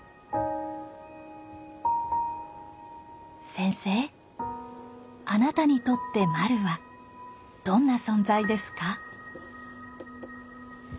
センセイあなたにとってまるはどんな存在ですか。